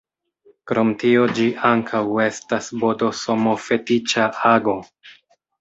Krom tio ĝi ankaŭ estas bdsm-fetiĉa ago.